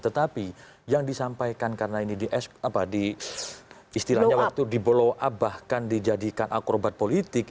tetapi yang disampaikan karena ini diistirahatkan diboloap bahkan dijadikan akrobat politik